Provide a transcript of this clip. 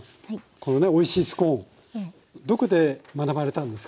このねおいしいスコーンどこで学ばれたんですか？